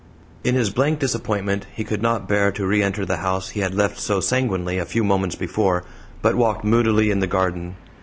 In his blank disappointment he could not bear to re enter the house he had left so sanguinely a few moments before, but walked moodily in the garden.